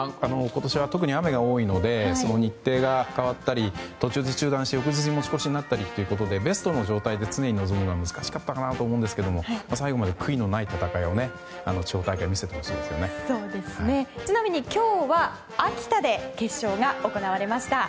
今年は特に雨が多いので日程が変わったり途中で中断して翌日に持ち越しになったりベストの状態で常に臨むのは難しかったかなと思いますが最後まで悔いのない戦いをちなみに、今日は秋田で決勝が行われました。